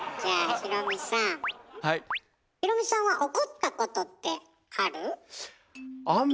ひろみさんは怒ったことってある？